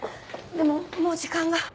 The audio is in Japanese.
でももう時間が。